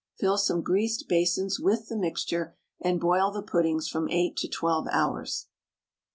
Fill some greased basins with the mixture, and boil the puddings from 8 to 12 hours.